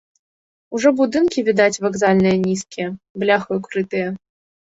Ужо будынкі відаць вакзальныя нізкія, бляхаю крытыя.